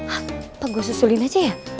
apa gue susulin aja ya